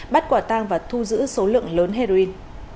bắt quả tang và thu giữ số lượng lớn heroin